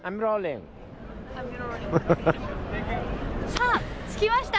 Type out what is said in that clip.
さあ着きました。